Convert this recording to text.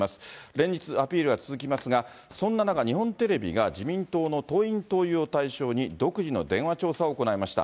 連日アピールは続きますが、そんな中日本テレビが自民党の党員・党友を対象に独自の電話調査を行いました。